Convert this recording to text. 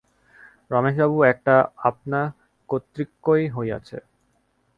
রমেশবাবু, এটা আপনা কর্তৃকই হইয়াছে।